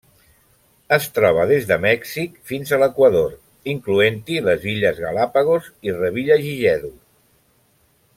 Es troba des de Mèxic fins a l'Equador, incloent-hi les Illes Galápagos i Revillagigedo.